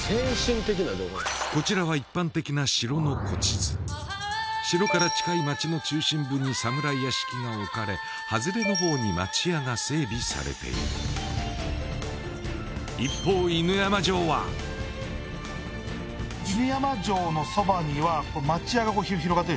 こちらは一般的な城の古地図城から近い町の中心部に侍屋敷が置かれ外れの方に町家が整備されている犬山城のそばには町家が広がってるでしょ